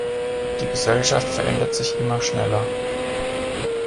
Die Gesellschaft verändert sich immer schneller.